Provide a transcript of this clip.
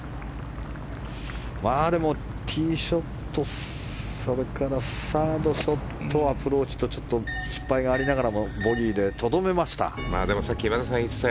でも、ティーショットそれからサードショットアプローチと失敗がありながらもボギーでとどめました。